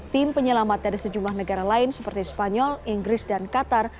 tim penyelamat dari sejumlah negara lain seperti spanyol inggris dan qatar